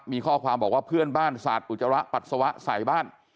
มีข้อความบอกว่าเพื่อนบ้านสาดอุจจาระปัสสาวะใส่บ้าน